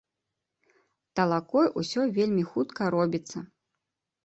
Талакой усё вельмі хутка робіцца.